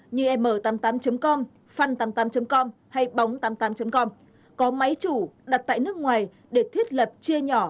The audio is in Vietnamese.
như m tám mươi tám com fund tám mươi tám com hay bóng tám mươi tám com có máy chủ đặt tại nước ngoài để thiết lập chia nhỏ